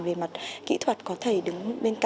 về mặt kỹ thuật có thầy đứng bên kia